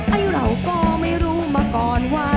ไอ้เราก็ไม่รู้มาก่อนว่า